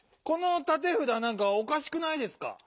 このたてふだなんかおかしくないですか？